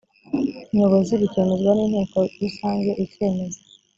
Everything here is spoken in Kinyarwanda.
nyobozi bikemezwa n inteko rusange icyemezo